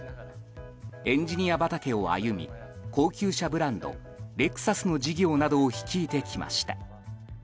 エンジニア畑を歩み高級車ブランド、レクサスの事業などを率いてきました。